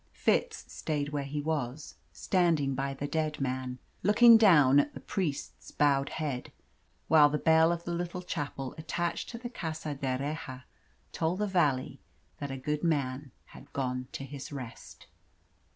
Fitz stayed where he was, standing by the dead man, looking down at the priest's bowed head, while the bell of the little chapel attached to the Casa d'Erraha told the valley that a good man had gone to his rest.